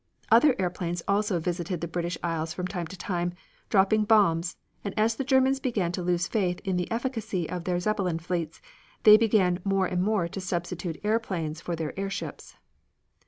Other airplanes also visited the British Isles from time to time, dropping bombs, and as the Germans began to lose faith in the efficacy of their Zeppelin fleets they began more and more to substitute airplanes for their airships.